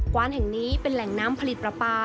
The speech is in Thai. วานแห่งนี้เป็นแหล่งน้ำผลิตปลาปลา